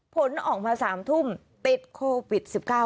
ผลออกมา๓ทุ่มติดโควิด๑๙